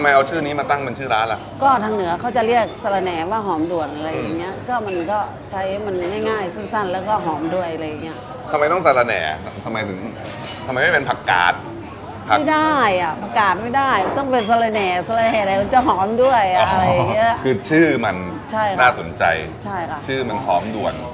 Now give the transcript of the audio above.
ไม่ได้ต้องเป็นสละแหน่สละแหน่อะไรอย่างนี้จะหอมด้วย